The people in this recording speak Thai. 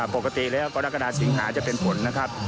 ปกติแล้วก็นักกระดาษสิงหาจะเป็นฝนนะครับ